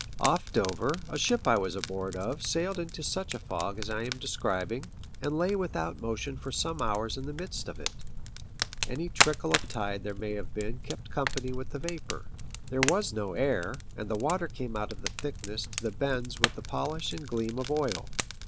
Off Dover a ship I was aboard of sailed into such a fog as I am describing, and lay without motion for some hours in the midst of it. Any trickle of tide there may have been kept company with the vapour. There was no air, and the water came out of the thickness to the bends with the polish and gleam of oil.